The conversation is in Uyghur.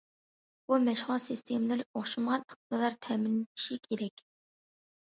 بۇ مەشغۇلات سىستېمىلىرى ئوخشىمىغان ئىقتىدار تەمىنلىشى كېرەك.